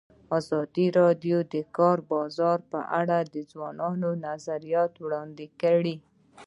ازادي راډیو د د کار بازار په اړه د ځوانانو نظریات وړاندې کړي.